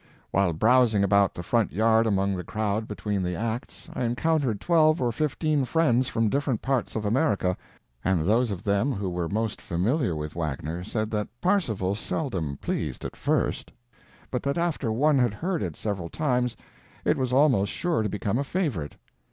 While browsing about the front yard among the crowd between the acts I encountered twelve or fifteen friends from different parts of America, and those of them who were most familiar with Wagner said that "Parsifal" seldom pleased at first, but that after one had heard it several times it was almost sure to become a favorite.